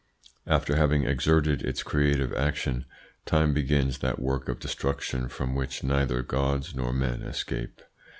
After having exerted its creative action, time begins that work of destruction from which neither gods nor men escape.